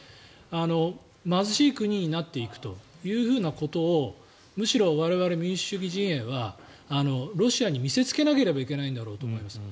貧しい国になっていくということをむしろ我々、民主主義陣営はロシアに見せつけなければいけないんだろうと思います。